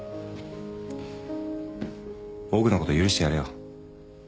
オグのこと許してやれよ。